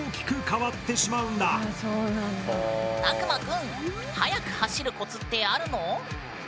たくまくん速く走るコツってあるの？